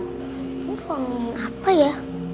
ini kemana kemana ya